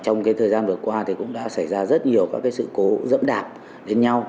trong thời gian vừa qua cũng đã xảy ra rất nhiều các sự cố dẫm đạp đến nhau